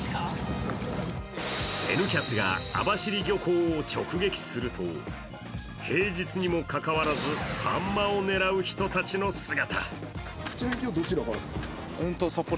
「Ｎキャス」が網走漁港を直撃すると平日にもかかわらずさんまを狙う人たちの姿。